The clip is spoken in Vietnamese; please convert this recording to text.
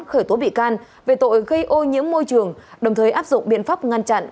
khởi tố bị can về tội gây ô nhiễm môi trường đồng thời áp dụng biện pháp ngăn chặn